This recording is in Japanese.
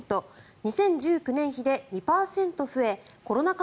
２０１９年比で２％増えコロナ禍